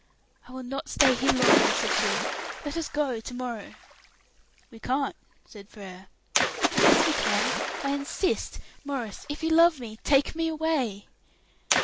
"I will not stay here longer," said she. "Let us go to morrow." "We can't," said Frere. "Oh, yes, we can. I insist. Maurice, if you love me, take me away."